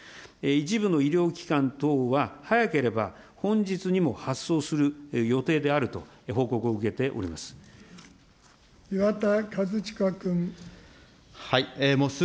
一部の医療機関等は、早ければ本日にも発送する予定であると報告を受けております。